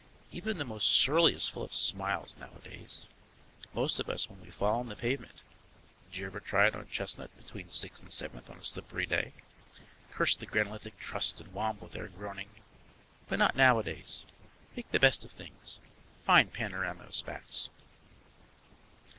Even the most surly is full of smiles nowadays. Most of us when we fall on the pavement (did you ever try it on Chestnut between Sixth and Seventh on a slippery day?) curse the granolithic trust and wamble there groaning. But not nowadays. Make the best of things. Fine panorama of spats.